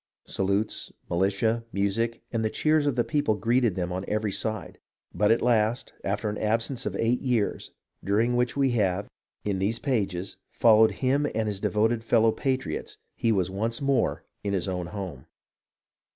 Salutes, militia, music, and the cheers of the people greeted them on every side ; but at last, after an absence of eight years, during which we have, in these pages, followed him and his devoted fellow patriots, he was once more in his own home.